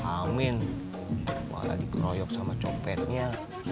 amin malah dikeroyok sama copetnya